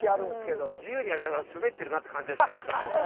自由にやりながらスベってるなって感じはしますからね。